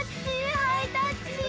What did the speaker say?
ハイタッチ！